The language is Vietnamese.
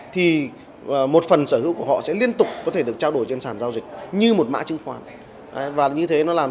thì một phần sở hữu của họ sẽ liên tục có thể được trao đổi trên sản giao dịch như một mã chứng khoán